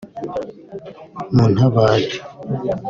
“Muntabare